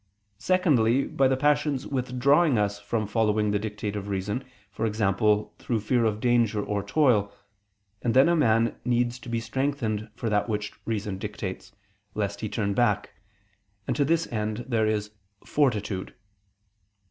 Secondly, by the passions withdrawing us from following the dictate of reason, e.g. through fear of danger or toil: and then man needs to be strengthened for that which reason dictates, lest he turn back; and to this end there is "Fortitude."